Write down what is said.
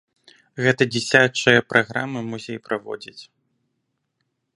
Гэта дзіцячыя праграмы музей праводзіць.